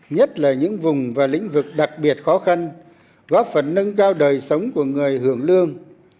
nhất là những vùng và lĩnh vực đặc biệt khó khăn góp phần nâng cao đời sống của người hưởng lương